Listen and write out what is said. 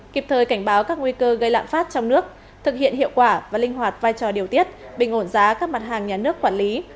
kịp thời cảnh báo các nguy cơ gây lạm phát trong nước thực hiện hiệu quả và linh hoạt vai trò điều tiết bình ổn giá các mặt hàng nhà nước quản lý